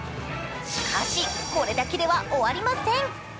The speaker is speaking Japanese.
しかし、これだけでは終わりません。